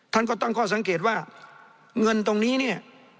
ท่านก็ตั้งข้อสังเกตว่าเงินตรงนี้เนี่ย